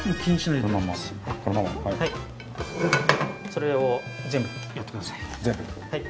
それ全部やってください。